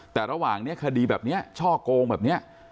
แต่ระหว่างนี้คดีแบบนี้ช่อโกงแบบนี้